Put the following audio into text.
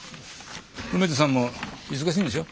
梅津さんも忙しいんでしょ？